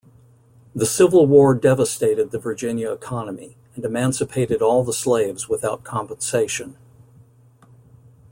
The Civil War devastated the Virginia economy, and emancipated all the slaves without compensation.